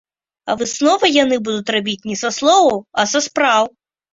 А высновы яны будуць рабіць не са словаў, а са спраў.